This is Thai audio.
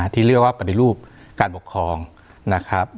ที่เรียกว่าปฏิรูปการปกครองนะครับ